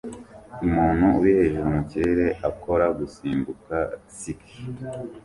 Umuntu uri hejuru mukirere akora gusimbuka ski